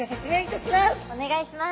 お願いします。